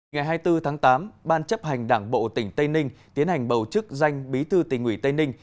ngày hai mươi bốn tháng tám ban chấp hành đảng bộ tỉnh tây ninh tiến hành bầu chức danh bí thư tỉnh ủy tây ninh